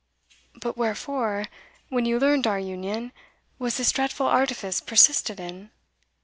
"But wherefore, when you learned our union, was this dreadful artifice persisted in?"